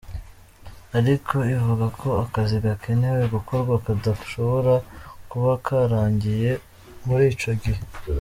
Ariko ivuga ko akazi gakenewe gukorwa kadashobora kuba karangiye muri ico gihe.